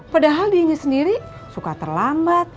padahal dirinya sendiri suka terlambat